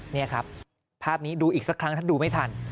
นี่ครับภาพนี้ดูอีกสักครั้งถ้าดูไม่ทัน